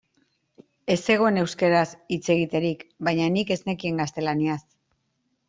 Ez zegoen euskaraz hitz egiterik, baina nik ez nekien gaztelaniaz.